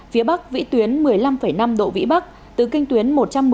phía bắc vị tuyến một mươi năm năm độ vĩ bắc từ kinh tuyến một trăm một mươi năm